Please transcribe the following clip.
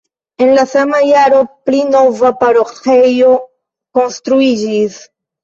En la sama jaro pli nova paroĥejo konstruiĝis.